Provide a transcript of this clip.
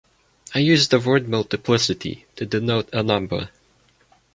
I use the word multiplicity to denote a number.